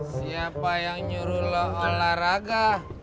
siapa yang nyuruh olahraga